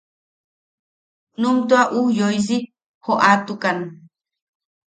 Num tua ujyoisi joʼatukan.